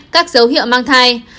hai các dấu hiệu mang thai